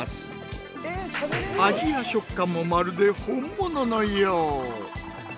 味や食感もまるで本物のよう。